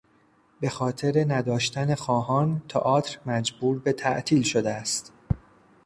به خاطر نداشتن خواهان، تئاتر مجبور به تعطیل شده است.